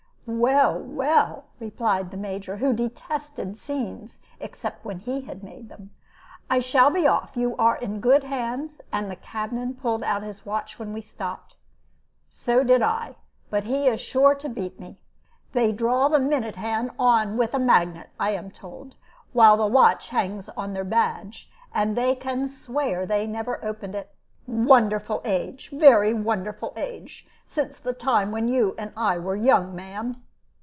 "Well, well," replied the Major, who detested scenes, except when he had made them; "I shall be off. You are in good hands; and the cabman pulled out his watch when we stopped. So did I. But he is sure to beat me. They draw the minute hand on with a magnet, I am told, while the watch hangs on their badge, and they can swear they never opened it. Wonderful age, very wonderful age, since the time when you and I were young, ma'am."